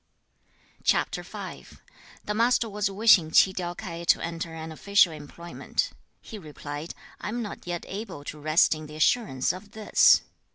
CHAP. V. The Master was wishing Ch'i tiao K'ai to enter on official employment. He replied, 'I am not yet able to rest in the assurance of THIS.'